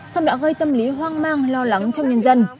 xong đã gây tâm lý hoang mang lo lắng trong nhân dân